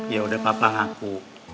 yaudah papa ngaku